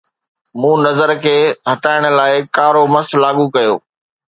مون نظر کي هٽائڻ لاء ڪارو مس لاڳو ڪيو